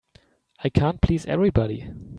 I can't please everybody.